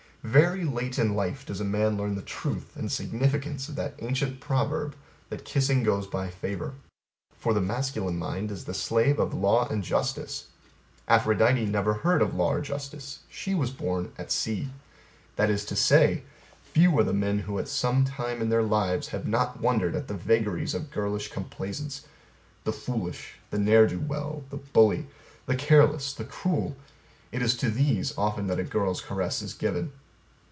Very late in life does a man learn the truth (and significance) of that ancient proverb that Kissing goes by Favour. For The masculine mind is the slave of Law and Justice: Aphrodite never heard of Law or Justice: she was born at sea. That is to say, Few are the men who at some time in their lives have not wondered at the vagaries of girlish complaisance: the foolish, the ne'er do well, the bully, the careless, the cruel, it is to these often that a girls' caress is given.